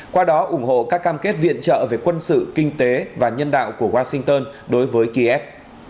qua đó ủng hộ các cam kết viện trợ về quân sự kinh tế và nhân đạo của washington đối với kiev